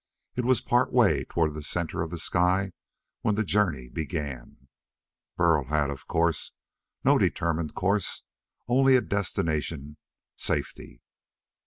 It was part way toward the center of the sky when the journey began. Burl had, of course, no determined course, only a destination safety.